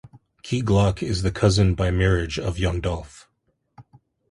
Key Glock is the cousin by marriage of Young Dolph.